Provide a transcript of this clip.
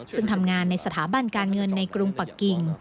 ซึ่งทำงานในสถาบันการเงินในกรุงปะกิ่ง